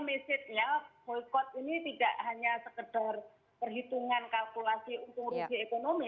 maksudnya boycott ini tidak hanya sekedar perhitungan kalkulasi untung untung ekonomi